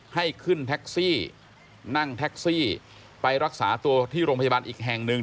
ให้ขึ้นแท็กซี่นั่งแท็กซี่ไปรักษาตัวที่โรงพยาบาลอีกแห่งหนึ่ง